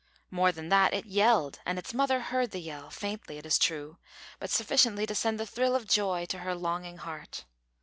More than that, it yelled, and its mother heard the yell faintly, it is true, but sufficiently to send a thrill of joy to her longing heart.